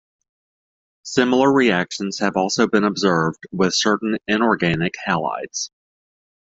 Similar reactions have also been observed with certain inorganic halides.